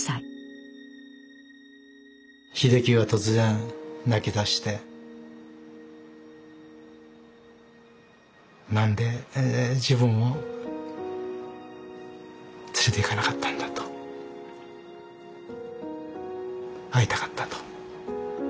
秀樹が突然泣き出して何で自分を連れていかなかったんだと会いたかったと。